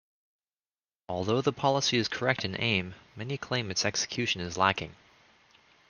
Although the policy is correct in aim, many claim its execution is lacking.